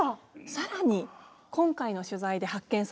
更に今回の取材で発見されました